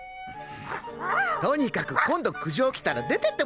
とにかく今度苦情来たら出てってもらうからね。